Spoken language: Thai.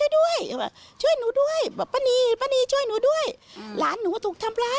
ด้วยช่วยหนูด้วยบอกป้านีป้านีช่วยหนูด้วยหลานหนูถูกทำร้าย